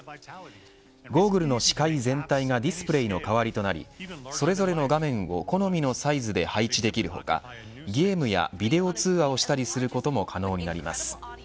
ゴーグルの視界全体がディスプレイの代わりとなりそれぞれの画面を好みのサイズで配置できる他、ゲームやビデオ通話をしたりすることも可能になります。